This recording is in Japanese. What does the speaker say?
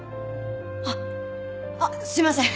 あっあっすいません。